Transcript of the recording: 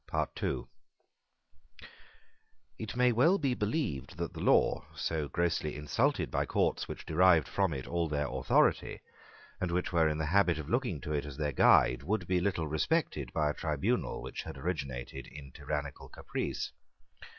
It may well be believed, that the law, so grossly insulted by courts which derived from it all their authority, and which were in the habit of looking to it as their guide, would be little respected by a tribunal which had originated in tyrannical caprice.